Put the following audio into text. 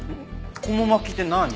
こも巻きって何？